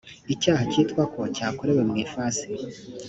icyaha cyitwa ko cyakorewe mu ifasi